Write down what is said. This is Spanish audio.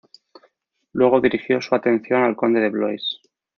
Luego dirigió su atención al conde de Blois.